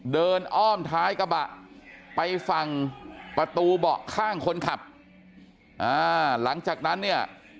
อ้อมท้ายกระบะไปฝั่งประตูเบาะข้างคนขับอ่าหลังจากนั้นเนี่ย